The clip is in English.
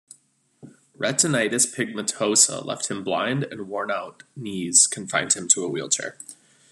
Retinitis pigmentosa left him blind and worn out knees confined him to a wheelchair.